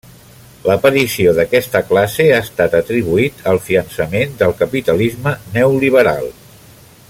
L'aparició d'aquesta classe ha estat atribuït al fiançament del capitalisme neoliberal.